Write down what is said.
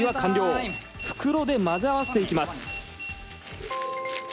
袋で混ぜ合わせていきます